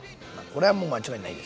これはもう間違いないですよ。